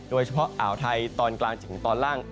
โดยเฉพาะอ่าวไทยตอนกลางถึงตอนล่าง